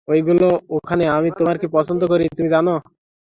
ঐগুলো ওখানে আমি তোমার কি পছন্দ করি, তুমি জানো?